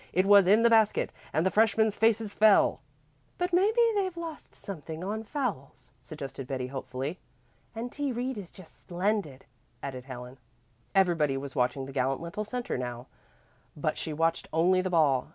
It was in the basket, and the freshmen's faces fell. "But maybe they've lost something on fouls," suggested Betty hopefully. "And T. Reed is just splendid," added Helen. Everybody was watching the gallant little centre now, but she watched only the ball.